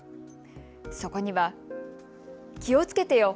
そこには、気をつけてよ！